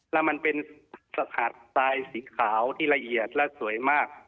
แล้วมันเป็นสะอาดทรายสีขาวที่ละเอียดและสวยมาก